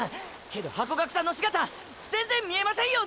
けどハコガクさんの姿全然見えませんよ